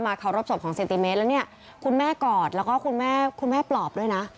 เคารพศพของเซนติเมตรแล้วเนี่ยคุณแม่กอดแล้วก็คุณแม่คุณแม่ปลอบด้วยนะ